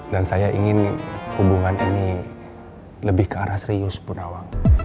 dan saya ingin hubungan ini lebih ke arah serius bu nawa